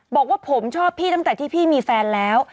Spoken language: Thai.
บอกว่าผมชอบพี่ตั้งแต่ที่พี่มีแฟนแล้ว